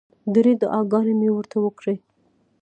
ډېرې دعاګانې مې ورته وکړې.